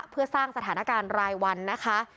เพื่อสร้างสถานการณ์รายวันนะคะ